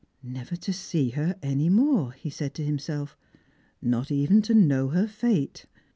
" Never to see her any more," he said to himself; " not even to know her fate